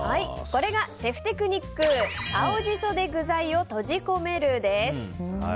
これがシェフテクニック青ジソで具材を閉じ込めるです。